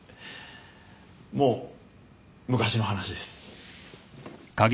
もう昔の話です。